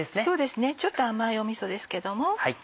そうですねちょっと甘いみそですけども。